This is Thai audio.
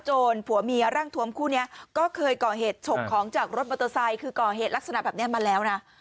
ผัวเมียร่างทวมคู่นี้ก็เคยก่อเหตุฉกของจากรถมอเตอร์ไซค์คือก่อเหตุลักษณะแบบนี้มาแล้วนะ